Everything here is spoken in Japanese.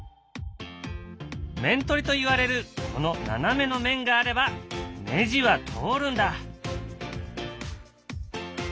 面取りといわれるこの斜めの面があればネジは通るんだ。